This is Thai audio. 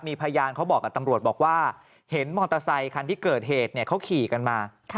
มีพยานเขาบอกกับตำรวจบอกว่าเห็นมอเตอร์ไซคันที่เกิดเหตุเขาขี่กันมา